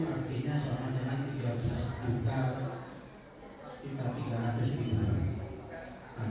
apakah saya berangkat memakai uang dari mana